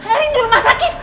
erin di rumah sakit